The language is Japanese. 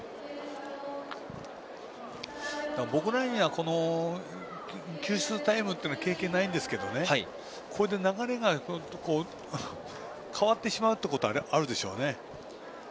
僕は給水タイムは経験ないんですがここで流れが変わってしまうということあるでしょうね。